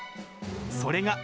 それが。